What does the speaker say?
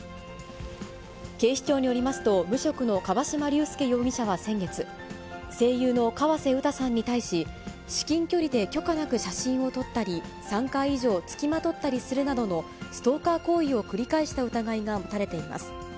警視庁によりますと、無職の樺島隆介容疑者は先月、声優の河瀬詩さんに対し、至近距離で許可なく写真を撮ったり、３回以上付きまとったりするなどのストーカー行為を繰り返した疑いが持たれています。